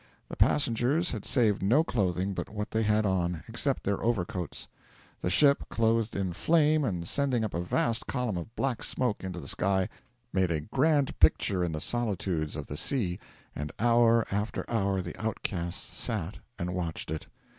The passengers had saved no clothing but what they had on, excepting their overcoats. The ship, clothed in flame and sending up a vast column of black smoke into the sky, made a grand picture in the solitudes of the sea, and hour after hour the outcasts sat and watched it.